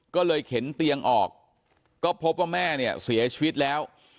ก็เลยเข็นเตียงออกก็พบว่าแม่เนี่ยเสียชีวิตแล้ว